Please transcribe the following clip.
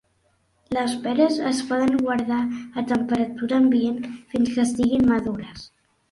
Les peres es poden guardar a temperatura ambient fins que estiguin madures.